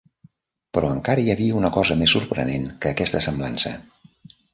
Però encara hi havia una cosa més sorprenent que aquesta semblança.